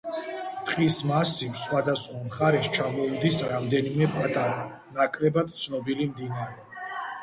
ტყის მასივს სხვადასხვა მხარეს ჩამოუდის რამდენიმე პატარა, ნაკლებად ცნობილი მდინარე.